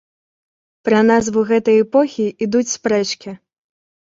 Пра назву гэтай эпохі ідуць спрэчкі.